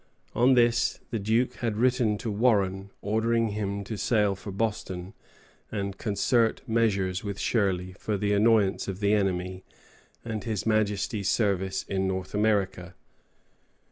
On this, the Duke had written to Warren, ordering him to sail for Boston and concert measures with Shirley "for the annoyance of the enemy, and his Majesty's service in North America."